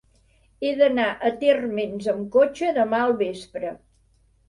He d'anar a Térmens amb cotxe demà al vespre.